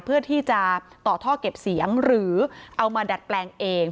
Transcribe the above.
เพื่อที่จะต่อท่อเก็บเสียงหรือเอามาดัดแปลงเอง